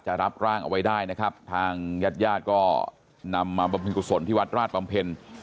รับร่างเอาไว้ได้นะครับทางญาติญาติก็นำมาบำเพ็ญกุศลที่วัดราชบำเพ็ญ